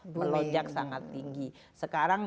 pelojak sangat tinggi sekarang